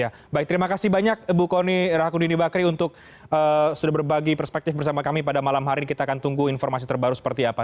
ya baik terima kasih banyak bu kony rahakundini bakri untuk sudah berbagi perspektif bersama kami pada malam hari ini kita akan tunggu informasi terbaru seperti apa